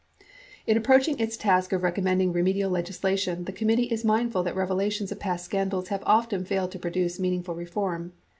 In approaching its task of recommending remedial legislation, the committee is mindful that revelations of past scandals have often failed to produce meaningful reform.